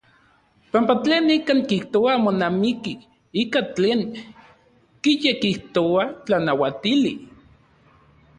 Panpa tlen nikan kijtoa monamiki ika tlen kiyekijtoa tlanauatili.